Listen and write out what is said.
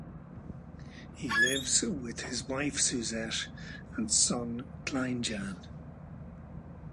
He lives with his wife Suzette and son Klein Jan.